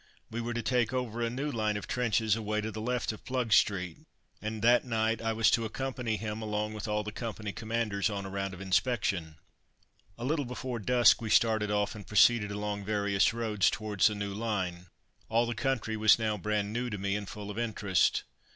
We were to take over a new line of trenches away to the left of Plugstreet, and that night I was to accompany him along with all the company commanders on a round of inspection. A little before dusk we started off and proceeded along various roads towards the new line. All the country was now brand new to me, and full of interest.